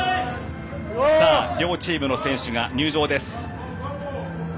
両チームの選手が入場です。